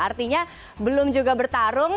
artinya belum juga bertarung